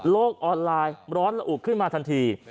ออนไลน์ร้อนระอุขึ้นมาทันที